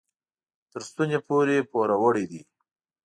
تر ستوني پورې پوروړي دي.